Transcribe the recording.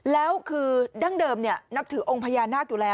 แล้วคือดั้งเดิมเนี่ยนับถือองค์พญานาคดูแล